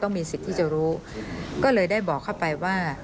มีสิทธิ์ที่จะรู้ก็เลยได้บอกเข้าไปว่า